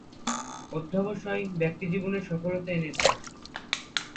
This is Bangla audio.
অধ্যবসায় ব্যক্তিজীবনে সফলতা এনে দেয়।